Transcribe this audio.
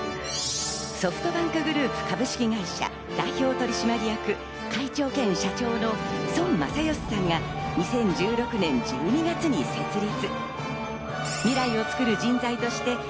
ソフトバンクグループ株式会社代表取締役会長兼社長の孫正義さんが、２０１６年１２月に設立。